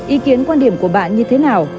ý kiến quan điểm của bạn như thế nào